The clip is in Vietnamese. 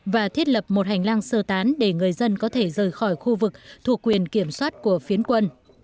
và thiết lập một hành lang sơ tán để người dân có thể rời khỏi khu vực thuộc quyền kiểm soát của phiến quân